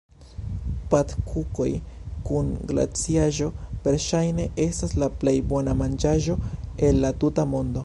Patkukoj kun glaciaĵo, verŝajne estas la plej bona manĝaĵo el la tuta mondo.